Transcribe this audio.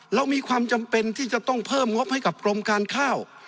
เรามีความจำเป็นที่จะต้องเพิ่มงบให้กับกรมการข้าว